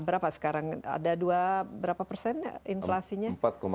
berapa sekarang ada dua berapa persen inflasinya